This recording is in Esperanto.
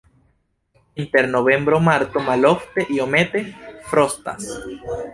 Inter novembro-marto malofte iomete frostas.